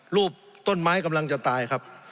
สงบจนจะตายหมดแล้วครับ